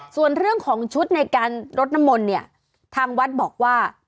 ส่วนเรื่องของชุดในการรดน้ำมนต์เนี่ยทางวัดบอกว่า